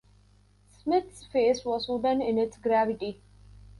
Smith's face was wooden in its gravity.